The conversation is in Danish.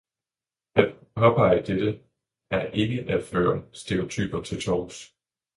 At påpege dette er ikke at føre stereotyper til torvs.